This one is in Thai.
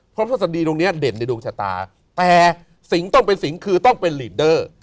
เพราะทฤษฎีตรงนี้เด่นในดวงชะตาแต่สิงต้องเป็นสิงคือต้องเป็นลีดเดอร์